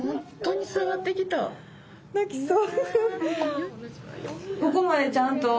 泣きそう。